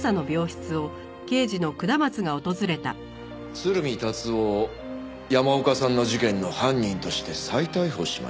鶴見達男を山岡さんの事件の犯人として再逮捕しました。